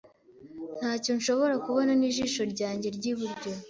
Ntacyo nshobora kubona nijisho ryanjye ryiburyo.